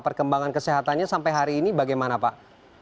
perkembangan kesehatannya sampai hari ini bagaimana pak